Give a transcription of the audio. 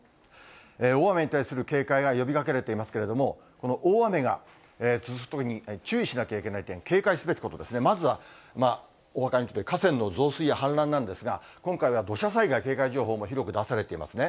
大雨に対する警戒が呼びかけられていますけれども、この大雨が続くときに、注意しなきゃいけない点、警戒すべきことですね、まずは河川の増水や氾濫なんですが、今回は土砂災害警戒情報も広く出されていますね。